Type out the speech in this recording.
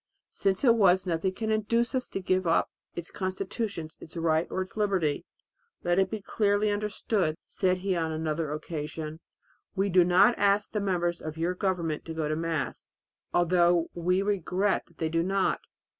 Since it was, nothing can induce us to give up its constitutions, its rights or its liberty." "Let it be clearly understood," said he on another occasion, "we do not ask the members of your government to go to Mass although we regret that they do not.